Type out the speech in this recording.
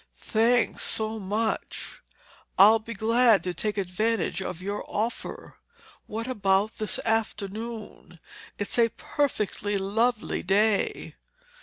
"Thanks so much. I'll be glad to take advantage of your offer. What about this afternoon? It's a perfectly lovely day."